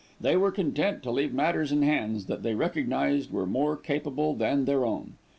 They were content to leave matters in hands that they recognised were more capable than their own.